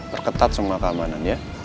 berketat semua keamanan ya